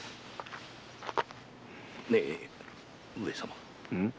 ねえ上様。